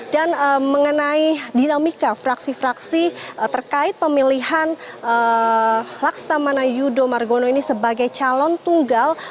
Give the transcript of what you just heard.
dan mengenai dinamika fraksi fraksi terkait pemilihan laksamana yudo margono ini sebagai calon tunggal